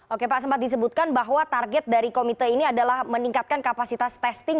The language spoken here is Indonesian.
oke pak sempat disebutkan bahwa target dari komite ini adalah meningkatkan kapasitas testing